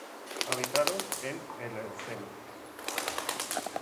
Habitaron en el Eoceno.